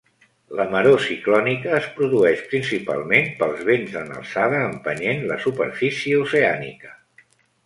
La maror ciclònica es produeix principalment pels vents en alçada, empenyent la superfície oceànica.